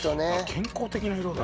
健康的な色だ。